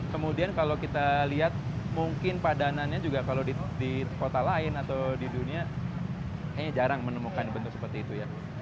kemudian kalau kita lihat mungkin padanannya juga kalau di kota lain atau di dunia kayaknya jarang menemukan bentuk seperti itu ya